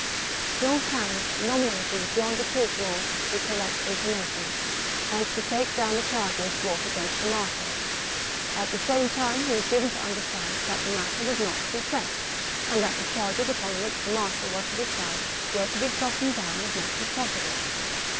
John V. nominated Jean de Toucheronde to collect information, and to take down the charges brought against the marshal. At the same time he was given to understand that the matter was not to be pressed, and that the charges upon which the marshal was to be tried were to be softened down as much as possible.